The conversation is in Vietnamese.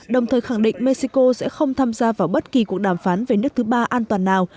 đồng thời khẳng định mexico sẽ không tham gia vào bất kỳ cuộc đàm phán về nước thứ ba an toàn nào